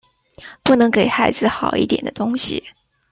不能给孩子好一点的东西